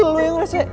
lo yang rese